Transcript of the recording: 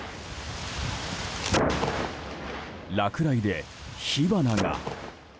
落雷で火花が。